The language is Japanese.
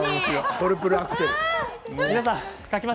トリプルアクセル。